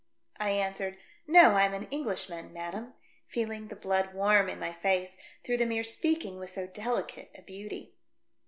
I answered, " No, I am an Englishman, madam," feeling the blood warm in my face through the mere speaking with so delicate a beauty.